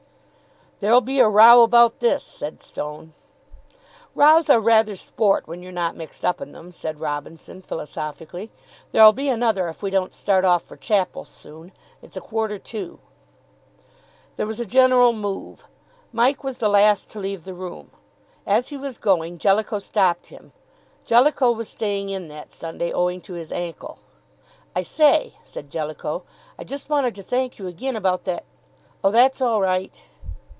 "There'll be a row about this," said Stone. "Rows are rather sport when you're not mixed up in them," said Robinson, philosophically. "There'll be another if we don't start off for chapel soon. It's a quarter to." There was a general move. Mike was the last to leave the room. As he was going, Jellicoe stopped him. Jellicoe was staying in that Sunday, owing to his ankle. "I say," said Jellicoe, "I just wanted to thank you again about that " "Oh, that's all right."